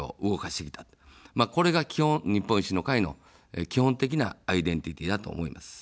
これが基本、日本維新の会の基本的なアイデンティティ−だと思います。